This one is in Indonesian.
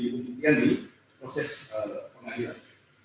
dikumpulkan di proses pengadilan